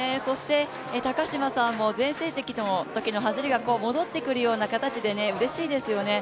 高島さんも全盛期の走りが戻ってくるような走りでうれしいですよね。